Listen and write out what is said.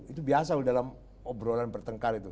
itu biasa dalam obrolan pertengkar itu